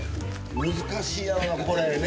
難しいやろなこれね。